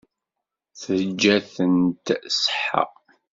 Teǧǧa-tent ṣṣeḥḥa.